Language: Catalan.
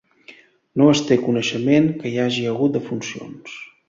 No es té coneixement que hi hagi hagut defuncions.